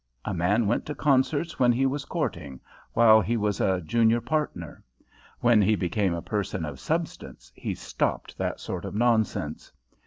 A man went to concerts when he was courting, while he was a junior partner. When he became a person of substance he stopped that sort of nonsense.